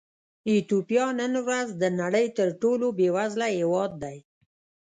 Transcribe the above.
ایتوپیا نن ورځ د نړۍ تر ټولو بېوزله هېواد دی.